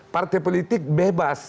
partai politik bebas